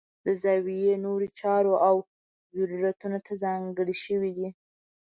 د زاویې نورو چارو او ضرورتونو ته ځانګړې شوي دي.